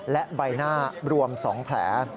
และใบหน้ารวม๒แผล